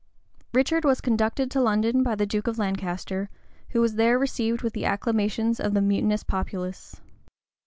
Richard was conducted to London by the duke of Lancaster, who was there received with the acclamations of the mutinous populace.